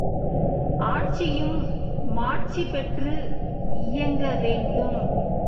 ஆட்சியும் மாட்சி பெற்று இயங்க வேண்டும்.